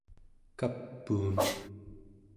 kapuun